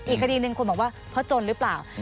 อีกคดีหนึ่งคนบอกว่าเพราะจนหรือเปล่า